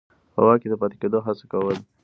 په واک کې د پاتې کېدو هڅه کوله.